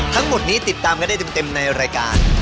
ทั้งหมดนี้ติดตามกันได้เต็มในรายการ